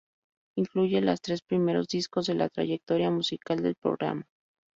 Incluye los tres primeros discos de la trayectoria musical del programa.